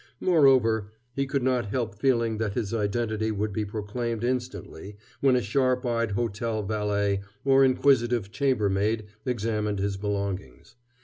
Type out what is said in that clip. Moreover, he could not help feeling that his identity would be proclaimed instantly when a sharp eyed hotel valet or inquisitive chambermaid examined his belongings.